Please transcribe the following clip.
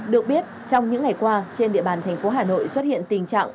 được biết trong những ngày qua trên địa bàn thành phố hà nội xuất hiện tình trạng